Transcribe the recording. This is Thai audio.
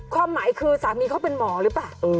ความหมายคือสามีเขาเป็นหมอหรือเปล่า